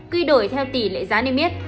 quy đổi theo tỷ lệ giá niêm yết